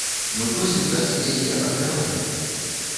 Мы просім здаць нейкія ахвяраванні.